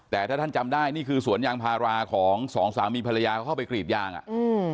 แต่ถ้าท่านจำได้นี่คือสวนยางพาราของสองสามีภรรยาเขาเข้าไปกรีดยางอ่ะอืม